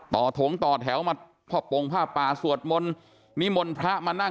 ต่อโถงต่อแถวมาพอปรงภาพปลาสวดมนต์มีมนต์พระมานั่ง